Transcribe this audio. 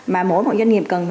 mà mỗi một doanh nghiệp cần